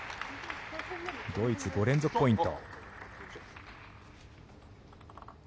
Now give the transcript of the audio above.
ドイツ、５連続ポイント。